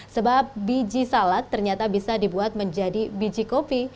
sebab biji salad ternyata bisa dibuat menjadi biji kopi